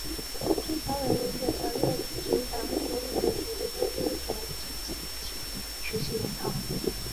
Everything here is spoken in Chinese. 最高人民检察院举行党组理论学习中心组集体学习研讨